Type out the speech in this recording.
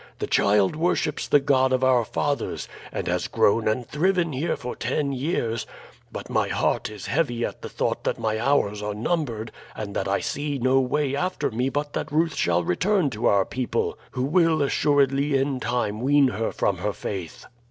The child worships the God of our fathers, and has grown and thriven here for ten years; but my heart is heavy at the thought that my hours are numbered and that I see no way after me but that Ruth shall return to our people, who will assuredly in time wean her from her faith."